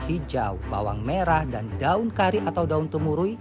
hijau bawang merah dan daun kari atau daun temurui